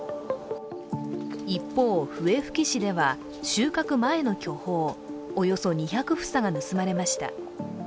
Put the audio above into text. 一方、笛吹市では収穫前の巨峰およそ２００房が盗まれました。